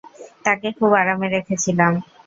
তাকে খুুব আরামে রেখেছিলাম।